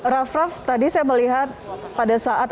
raff raff tadi saya melihat pada saat